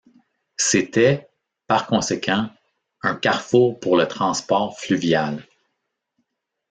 C'était, par conséquent, un carrefour pour le transport fluvial.